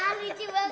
wah lucu banget